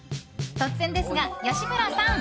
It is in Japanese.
突然ですが、吉村さん